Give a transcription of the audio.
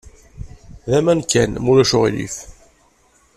D aman kan, ma ulac aɣilif.